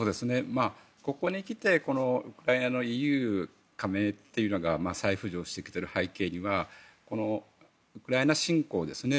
ここに来てウクライナのＥＵ加盟っていうのが再浮上してきている背景にはウクライナ侵攻ですね。